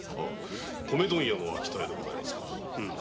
米問屋の秋田屋でございますか？